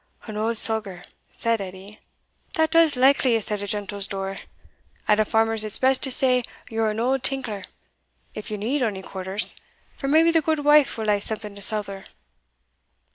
"An auld soger," says Edie "that does likeliest at a gentle's door; at a farmer's it's best to say ye're an auld tinkler, if ye need ony quarters, for maybe the gudewife will hae something to souther."